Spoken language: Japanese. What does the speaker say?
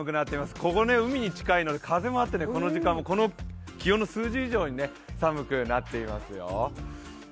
ここね、海に近いので風もあってこの時間、気温の数字以上に寒くなっていますよ。